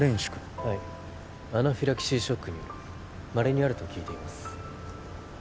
はいアナフィラキシーショックによるまれにあると聞いています